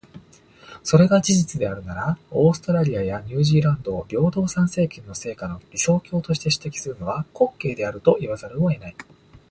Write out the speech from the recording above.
それが事実であるなら、オーストラリアやニュージーランドを平等参政権の成果の理想郷として指摘するのは、滑稽であると言わざるを得ない。